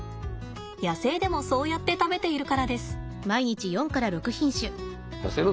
野生でもそうやって食べているからです。